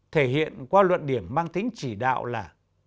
thể hiện qua luận điểm mang tính chỉ đạo là